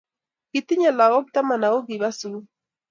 Kitinye lakok taman ak kikoba sukul